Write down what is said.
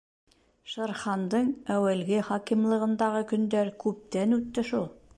Шер Хандың әүәлге хакимлығында ғы көндәр күптән үтте шул.